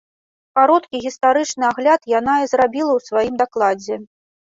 Кароткі гістарычны агляд яна і зрабіла ў сваім дакладзе.